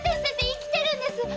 生きてるんです！